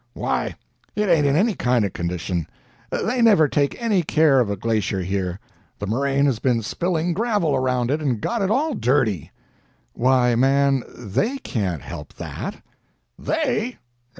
Why, it ain't in any kind of condition. They never take any care of a glacier here. The moraine has been spilling gravel around it, and got it all dirty." "Why, man, THEY can't help that." "THEY?